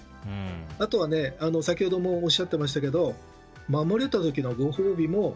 あと、先ほどもおっしゃっていましたが守れた時のご褒美も。